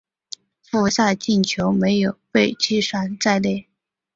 附加赛进球没有被计算在内。